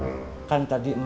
apakah itu ngak padam